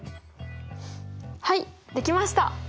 はいできました！